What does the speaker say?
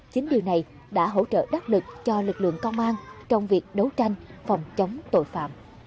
chính điều này đã hỗ trợ đắc lực cho lực lượng công an trong việc đấu tranh phòng chống tội phạm